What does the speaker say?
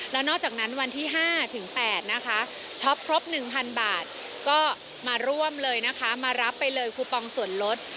แล้วนอกจากนั้นวันที่๕๘ช้อปพรบ๑๐๐๐บาทก็มาร่วมเลยมารับไปเลยคูปองส่วนรถ